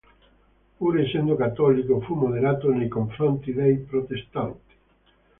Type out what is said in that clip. Pur essendo cattolico, fu moderato nei confronti dei protestanti.